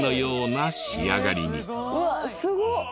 うわっすごっ！